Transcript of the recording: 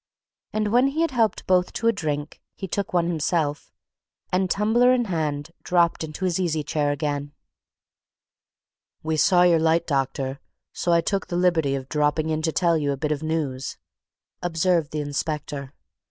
And when he had helped both to a drink, he took one himself, and tumbler in hand, dropped into his easy chair again. "We saw your light, doctor so I took the liberty of dropping into tell you a bit of news," observed the inspector.